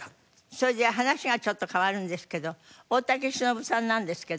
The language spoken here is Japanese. それで話がちょっと変わるんですけど大竹しのぶさんなんですけど。